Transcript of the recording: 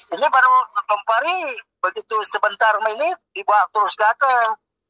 ini baru tempari begitu sebentar ini dibawa terus ke aceh